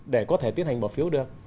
để có thể tiến hành bỏ phiếu được